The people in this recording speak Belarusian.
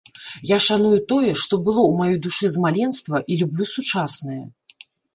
Я шаную тое, што было ў маёй душы з маленства і люблю сучаснае.